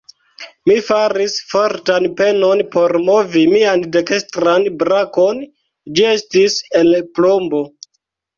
Mi faris fortan penon por movi mian dekstran brakon: ĝi estis el plombo.